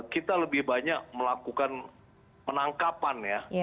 kita lebih banyak melakukan penangkapan ya